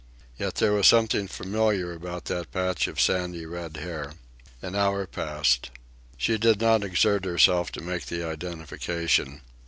Yet there was something familiar about that patch of sandy red hair. An hour passed. She did not exert herself to make the identification.